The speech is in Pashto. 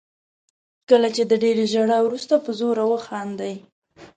کله چې د ډېرې ژړا وروسته په زوره وخاندئ.